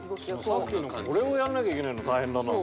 さっきのこれをやんなきゃいけないの大変だなあ。